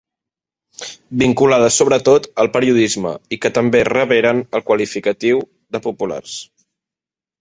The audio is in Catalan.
Vinculades, sobretot, al periodisme i que també reberen el qualificatiu de «populars».